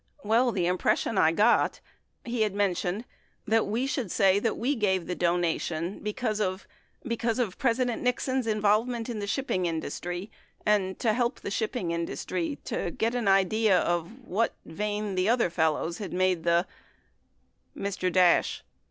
Well, the impression I got — he had mentioned that we should say that we gave the donation because of — because of President Nixon's involvement in the shipping in dustry and to help the shipping industry to get an idea of what vein the other fellows had made the Mr. Dash.